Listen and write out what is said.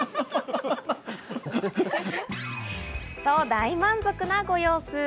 大満足なご様子。